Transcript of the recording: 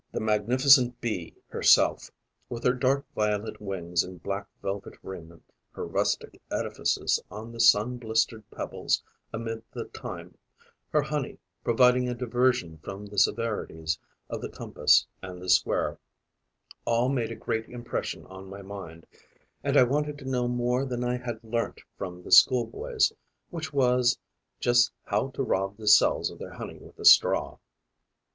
The magnificent Bee herself, with her dark violet wings and black velvet raiment, her rustic edifices on the sun blistered pebbles amid the thyme, her honey, providing a diversion from the severities of the compass and the square, all made a great impression on my mind; and I wanted to know more than I had learnt from the schoolboys, which was just how to rob the cells of their honey with a straw.